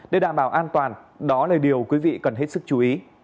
để đảm bảo an toàn đó là điều quý vị cần hết sức chú ý